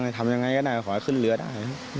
ทำยังไงก็ได้ขอให้ขึ้นเรือได้